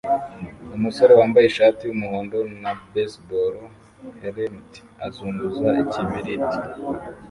umusore wambaye ishati yumuhondo na baseball helemt azunguza ikibiriti